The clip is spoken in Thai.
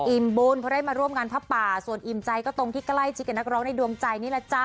บุญเพราะได้มาร่วมงานพระป่าส่วนอิ่มใจก็ตรงที่ใกล้ชิดกับนักร้องในดวงใจนี่แหละจ๊ะ